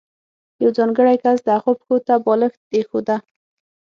یو ځانګړی کس د هغه پښو ته بالښت ایښوده.